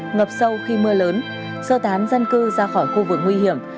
ngập sâu khi mưa lớn sơ tán dân cư ra khỏi khu vực nguy hiểm